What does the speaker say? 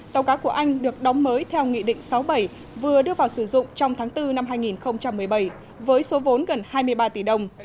tàu cá của anh được đóng mới theo nghị định sáu bảy vừa đưa vào sử dụng trong tháng bốn năm hai nghìn một mươi bảy với số vốn gần hai mươi ba tỷ đồng